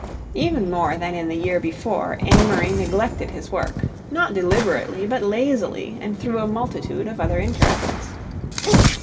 Even more than in the year before, Amory neglected his work, not deliberately but lazily and through a multitude of other interests.